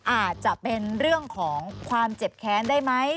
อาจจะเป็นเรื่องของความเจ็บแค้นได้ไหม